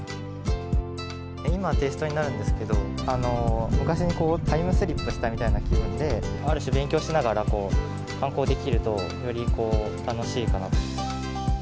今、テイストになるんですけど、昔にタイムスリップしたみたいな気分で、ある種、勉強しながら観光できると、より楽しいかなと。